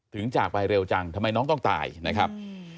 จากไปเร็วจังทำไมน้องต้องตายนะครับ